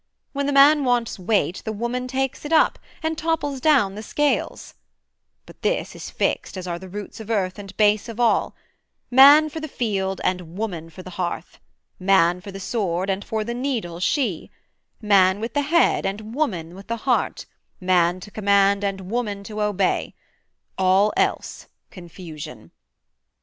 When the man wants weight, the woman takes it up, And topples down the scales; but this is fixt As are the roots of earth and base of all; Man for the field and woman for the hearth: Man for the sword and for the needle she: Man with the head and woman with the heart: Man to command and woman to obey; All else confusion.